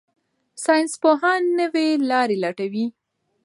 ساینسپوهان نوې لارې لټوي.